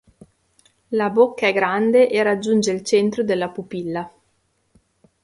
La bocca è grande e raggiunge il centro della pupilla.